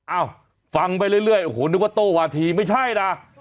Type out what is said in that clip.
เอ้าฟังไปเรื่อยโอ้โหนึกว่าโต้วาธีไม่ใช่นะ